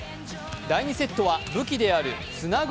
第２セットは武器であるつなぐ